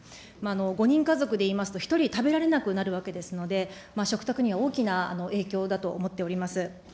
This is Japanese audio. ５人家族でいいますと、１人食べられなくなるわけですので、食卓には大きな影響だと思っております。